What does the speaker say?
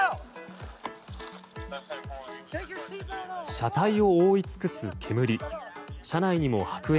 車体を覆い尽くす煙。